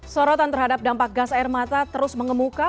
sorotan terhadap dampak gas air mata terus mengemuka